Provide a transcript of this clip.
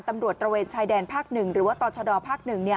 ตระเวนชายแดนภาค๑หรือว่าต่อชดภาค๑